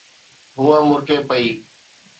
ھوءَ مُرڪي پئي.